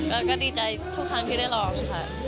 ก็ดีใจทุกครั้งที่ได้ร้องค่ะ